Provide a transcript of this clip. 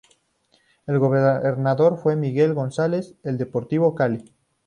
El goleador fue Miguel González, del Deportivo Cali.